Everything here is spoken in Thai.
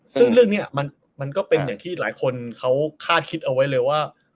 ซึ่งเรื่องนี้มันก็เป็นอย่างที่หลายคนเขาคาดคิดเอาไว้เลยว่า